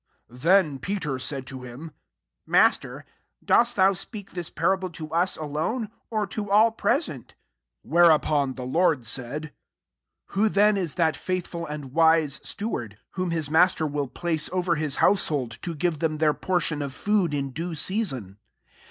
gy Then Peter said to him, pWaster, dost thou speak this fMible to us ahne^ or to all ent ?" 42 Whereupon the ■ said, « Who then is that d and wise steward, whom |kmaster will place over his •ehold to give them , their lion of food in due season